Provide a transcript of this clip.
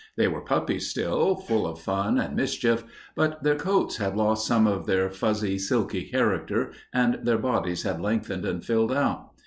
They were puppies still, full of fun and mischief, but their coats had lost some of their fuzzy, silky character and their bodies had lengthened and filled out.